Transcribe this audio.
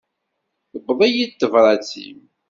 Tewweḍ-iyi-d tebrat-im.